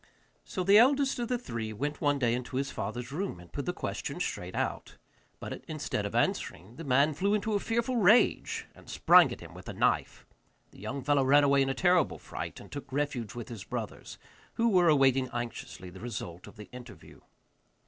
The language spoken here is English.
So the eldest of the three went one day into his father's room and put the question straight out; but, instead of answering, the man flew into a fearful rage, and sprang at him with a knife. The young fellow ran away in a terrible fright, and took refuge with his brothers, who were awaiting anxiously the result of the interview.